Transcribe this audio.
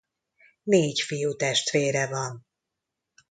Négy fiútestvére van.